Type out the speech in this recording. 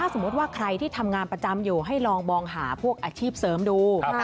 สมมุติว่าใครที่ทำงานประจำอยู่ให้ลองมองหาพวกอาชีพเสริมดู